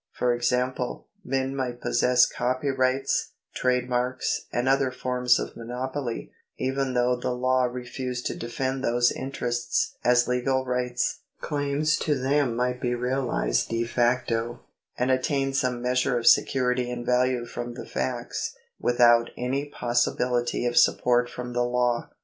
For example, men might possess copyrights, trade marks, and other forms of monopoly, even though the law refused to defend those interests as legal rights. Claims to them might be realised de facto, and attain some measure of security and value from the facts, without any possibility of support from the law.